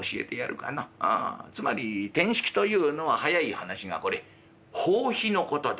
つまり転失気というのは早い話がこれ放屁のことだ」。